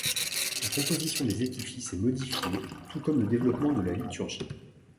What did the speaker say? La composition des édifices est modifiée, tout comme le développement de la liturgie.